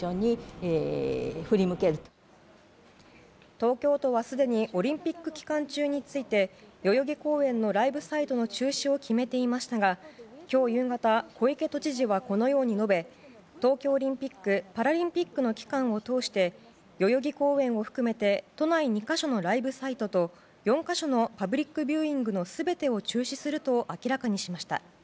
東京都はすでにオリンピック期間中について代々木公園のライブサイトの中止を決めていましたが今日夕方、小池都知事はこのように述べ東京オリンピック・パラリンピックの期間を通して代々木公園を含めて都内２か所のライブサイトと４か所のパブリックビューイングの全てを中止すると明らかにしました。